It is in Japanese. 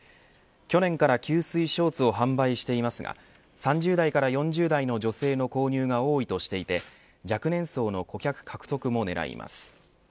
去年から吸水ショーツを販売していますが３０代から４０代の女性の購入が多いとしていて若年層の顧客獲得も狙います。